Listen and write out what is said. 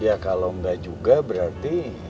ya kalau enggak juga berarti